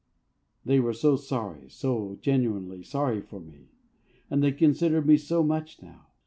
They were so sorry, so genuinely sorry for me. And they considered me so much now.